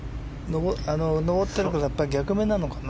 上ってるところが逆目なのかな。